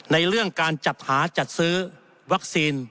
ในเรื่องการจัดหาจัดซื้อวัคซีน